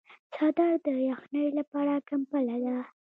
څادر د یخنۍ لپاره کمپله ده.